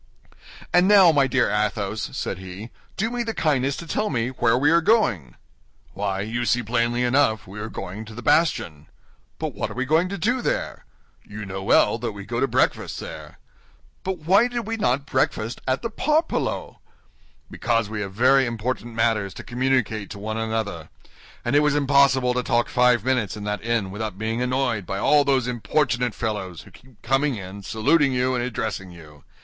"And now, my dear Athos," said he, "do me the kindness to tell me where we are going?" "Why, you see plainly enough we are going to the bastion." "But what are we going to do there?" "You know well that we go to breakfast there." "But why did we not breakfast at the Parpaillot?" "Because we have very important matters to communicate to one another, and it was impossible to talk five minutes in that inn without being annoyed by all those importunate fellows, who keep coming in, saluting you, and addressing you.